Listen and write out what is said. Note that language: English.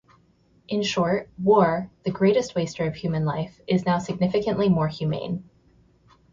In short, war, the great waster of human life, is now significantly more humane.